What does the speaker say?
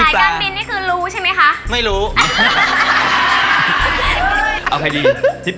สามเลยใช่ไหม